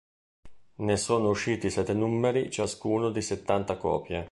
Ne sono usciti sette numeri ciascuno di settanta copie.